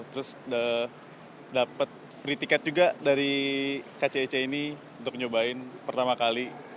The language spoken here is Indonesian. terus dapat free tiket juga dari kcic ini untuk nyobain pertama kali